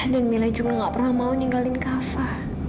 dan mila juga tidak pernah mau meninggalkan kava